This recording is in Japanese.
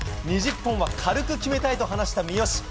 ２０本は軽く決めたいと話した三好。